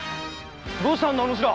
どうしたんだお主ら。